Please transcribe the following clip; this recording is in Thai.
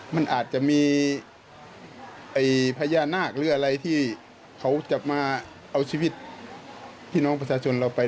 มันอาจจะมีพญานาคหรืออะไรที่เขาจะมาเอาชีวิตพี่น้องประชาชนเราไป